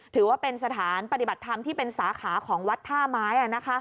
ถือว่าเป็นสถานปฏิบัติธรรมที่เป็นสาขาของวัดท่าไม้